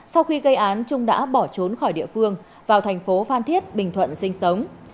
sau khi gây án trung đã bỏ trốn khỏi địa phương vào thành phố phan thiết bình thuận sinh sống